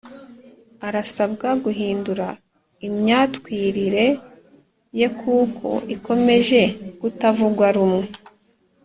arasabwa guhindura imyatwirire ye kuko ikomeje kutavugwa rumwe